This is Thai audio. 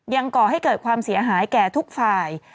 ก่อให้เกิดความเสียหายแก่ทุกฝ่าย